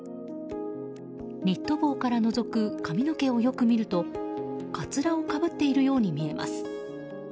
ニット帽からのぞく髪の毛をよく見るとかつらをかぶっているように見えます。